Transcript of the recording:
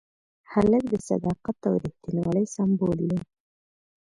هلک د صداقت او ریښتینولۍ سمبول دی.